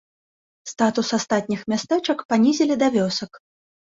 Статус астатніх мястэчак панізілі да вёсак.